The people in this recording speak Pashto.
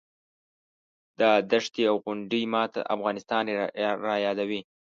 دا دښتې او غونډۍ ماته افغانستان رایادوي.